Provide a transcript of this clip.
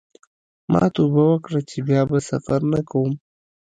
ما توبه وکړه چې بیا به سفر نه کوم.